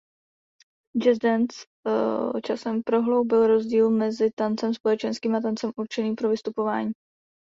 Jazz dance časem prohloubil rozdíl mezi tancem společenským a tancem určeným pro vystupování.